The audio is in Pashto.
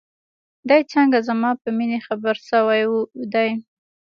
دى څنگه زما په مينې خبر سوى دى.